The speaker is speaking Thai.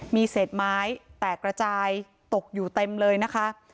มีเศษไม้แตกระจายตกอยู่เต็มเลยนะคะ